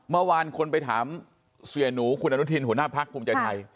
เมื่อวานคนไปถามเสียหนูคุณอนุทินหัวหน้าพักภูมิใจไทย